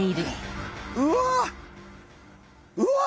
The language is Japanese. うわ！